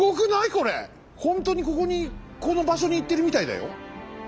ほんとにここにこの場所に行ってるみたいだよ。